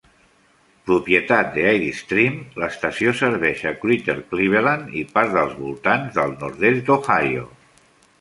Propietat d'Ideastream, l'estació serveix a Greater Cleveland i parts dels voltants del nord-est d'Ohio.